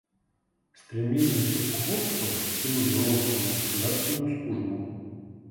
Стремление Серпуховского втянуть Вронского в государственную службу.